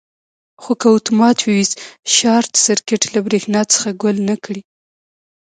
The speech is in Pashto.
خو که اتومات فیوز شارټ سرکټ له برېښنا څخه ګل نه کړي.